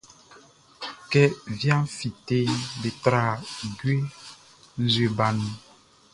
Kɛ wiaʼn fíteʼn, be tra jue nzue baʼn nun.